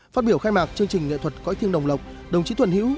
phát biểu khai mạc chương trình nghệ thuật cõi thiêng đồng lộc đồng chí thuận hữu